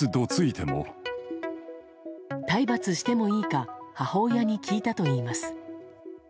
体罰してもいいか母親に聞いたといいます。